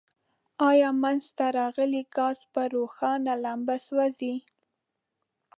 آیا منځ ته راغلی ګاز په روښانه لمبه سوځیږي؟